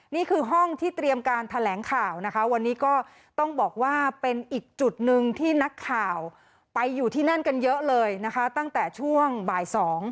นี่คือห้องที่เตรียมการแถลงข่าวนะคะวันนี้ก็ต้องบอกว่าเป็นอีกจุดหนึ่งที่นักข่าวไปอยู่ที่นั่นกันเยอะเลยนะคะตั้งแต่ช่วงบ่าย๒